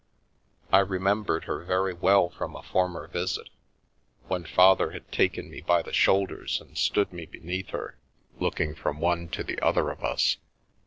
I remembered her very well from a former visit, when Father had taken me by the shoulders and stood me beneath her, looking from one to the other of us.